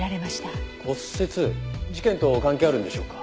骨折事件と関係あるんでしょうか？